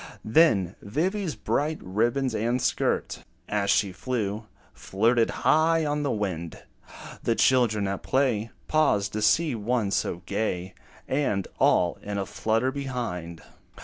Then Vivy's bright ribbons and skirt, As she flew, flirted high on the wind; The children at play, Paused to see one so gay, And all in a flutter behind.